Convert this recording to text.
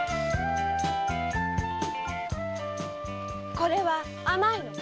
これは甘いのか？